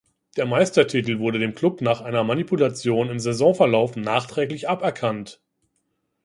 Der Meistertitel wurde dem Klub nach einer Manipulation im Saisonverlauf nachträglich aberkannt.